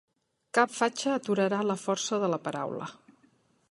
Cap fatxa aturarà la força de la paraula.